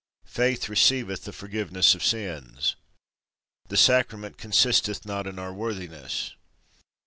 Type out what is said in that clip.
Faith receiveth the forgiveness of sins. The Sacrament consisteth not in our worthiness.